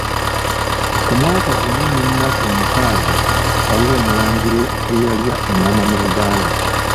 Ku mwaka gumu n’ennaku mukaaga waliwo omulangira eyalya engoma mu Buganda.